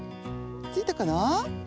ついたかな？